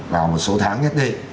vào một số tháng nhất định